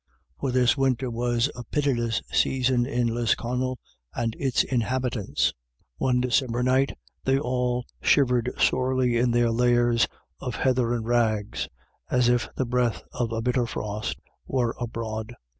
For this winter was a pitiless season to Lisconnel and its inhabitants. One December night they all shivered sorely in their lairs of heather and rags, as if the breath of a bitter frost were abroad.